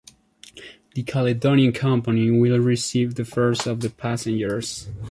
The Caledonian Company will receive the fares of the passengers.